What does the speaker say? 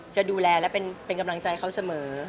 จะดูแลและเป็นกำลังใจเขาเสมอ